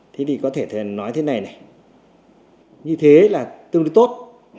thế thì có thể nói thế này này như thế là tương đối tốt